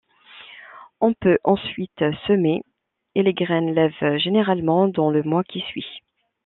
On peut ensuite semer et les graines lèvent généralement dans le mois qui suit.